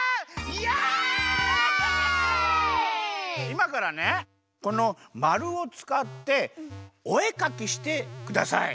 いまからねこのまるをつかっておえかきしてください。